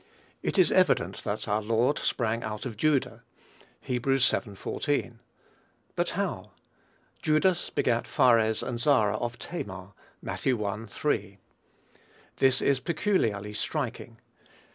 "It is evident that our Lord sprang out of Juda." (Heb. vii. 14.) But how? "Judas begat Phares and Zara of Thamar." (Matt. i. 3.) This is peculiarly striking.